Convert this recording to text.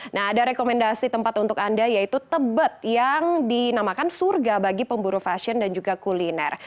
nah ada rekomendasi tempat untuk anda yaitu tebet yang dinamakan surga bagi pemburu fashion dan juga kuliner